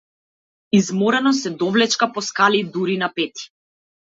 Изморено се довлечка по скали дури на петти.